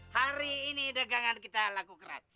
hari ini dagangan kita laku keras